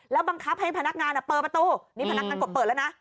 บังคับให้พนักงานเปิดประตูนี่พนักงานกดเปิดแล้วนะ